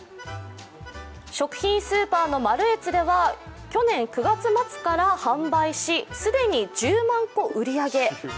食品スーパーのマルエツでは去年９月末から販売し、既に１０万個売り上げ。